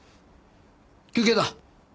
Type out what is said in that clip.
休憩だ。